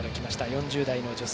４０代の女性